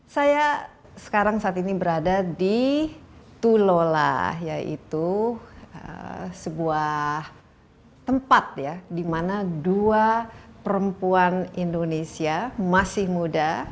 saya sekarang saat ini berada di tulola yaitu sebuah tempat ya di mana dua perempuan indonesia masih muda